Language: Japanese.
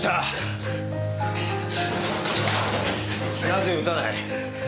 なぜ撃たない？